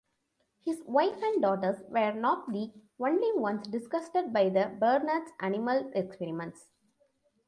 His wife and daughters were not the only ones disgusted by Bernard's animal experiments.